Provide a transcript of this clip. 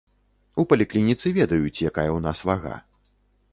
У паліклініцы ведаюць, якая ў нас вага.